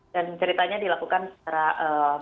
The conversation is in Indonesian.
dan ceritanya dilakukan secara video